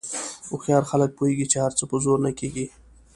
هوښیار خلک پوهېږي چې هر څه په زور نه کېږي.